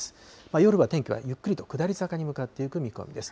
夜は天気はゆっくりと下り坂に向かっていく見込みです。